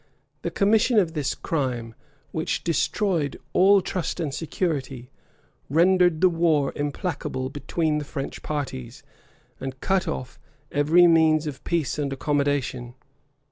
The commission of this crime, which destroyed all trust and security, rendered the war implacable between the French parties, and cut off every means of peace and accommodation.